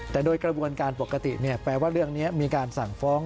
แต่โดยกระบวนการปกติแปลว่าเรื่องนี้มีการสั่งฟ้อง